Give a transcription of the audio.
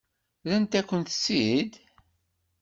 Rrant-akent-tt-id?